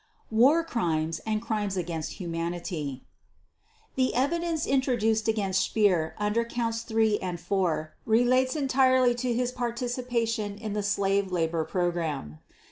War Crimes and Crimes against Humanity The evidence introduced against Speer under Counts Three and Pour relates entirely to his participation in the slave labor program.